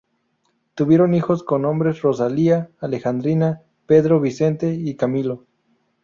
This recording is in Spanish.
Tuvieron hijos con nombres: Rosalía, Alejandrina, Pedro Vicente, y Camilo.